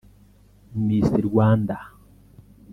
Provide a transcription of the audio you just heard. Miss Rwanda